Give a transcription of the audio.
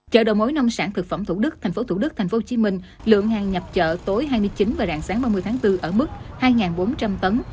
chợ đầu mối nông sản thực phẩm thủ đức tp thủ đức tp hcm lượng hàng nhập chợ tối hai mươi chín và rạng sáng ba mươi tháng bốn ở mức hai bốn trăm linh tấn